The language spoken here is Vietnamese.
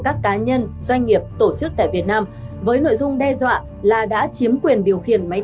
các cá nhân doanh nghiệp tổ chức tại việt nam với nội dung đe dọa là đã chiếm quyền điều khiển máy